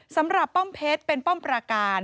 สำหรับป้อมเพชรเป็นป้อมประการ